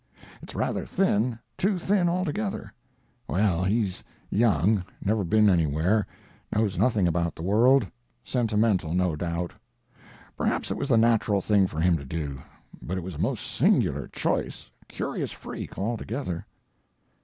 It's rather thin, too thin altogether. Well, he's young, never been anywhere, knows nothing about the world, sentimental, no doubt. Perhaps it was the natural thing for him to do, but it was a most singular choice, curious freak, altogether."